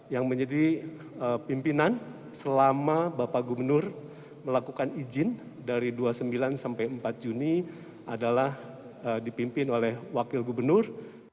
yang menjadi pimpinan selama bapak gubernur melakukan izin dari dua puluh sembilan sampai empat juni adalah dipimpin oleh wakil gubernur